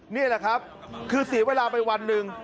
นี่แหละครับคือเสียเวลาไปวันหนึ่ง